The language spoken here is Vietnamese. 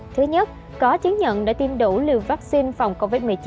thứ nhất có chứng nhận đã tiêm đủ liều vaccine phòng covid một mươi chín